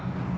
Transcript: thì đúng là